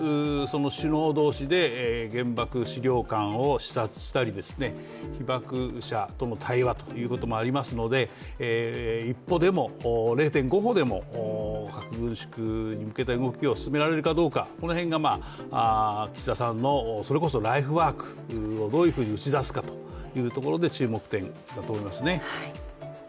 首脳同士で原爆資料館を視察したり、被爆者との対話もありますので、一歩でも０．５歩でも核軍縮に向けた協議が進められるか、この辺が岸田さんのそれこそライフワークをどういうふうに打ち出すかということで注目点だと思いますね。